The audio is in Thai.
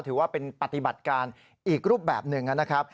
ถือว่าเป็นปฏิบัติการอีกรูปแบบหนึ่งนะครับ